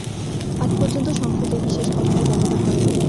আজ পর্যন্ত সংসদ এই বিশেষ ক্ষমতার ব্যবহার করেনি।